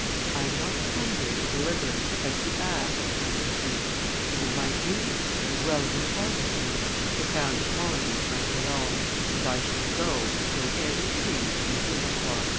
"I am not come here to deliberate, but to act," answered he; "it is my duty, as well as an honor to me, to found a colony at Montreal, and I shall go, though every tree were an Iroquois!"